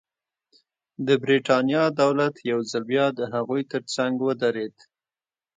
د برېټانیا دولت یو ځل بیا د هغوی ترڅنګ ودرېد.